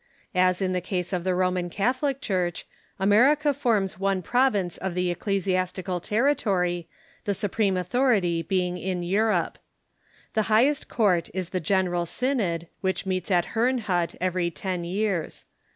As in the case of the Roman Catholic Church, America forms one province of the ecclesiastical territory, the supreme authority being in Europe. The highest court is the General Synod, which meets at Herrnhut every ten years.